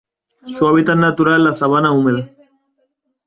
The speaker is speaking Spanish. Su hábitat natural es la sabana húmeda.